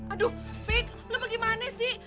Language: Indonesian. aduh be lo bagaimana sih